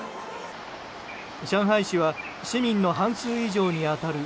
上海市は市民の半数以上に当たる